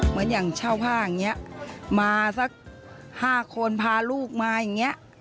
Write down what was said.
เหมือนอย่างเช่าผ้าอย่างนี้มาสัก๕คนพาลูกมาอย่างนี้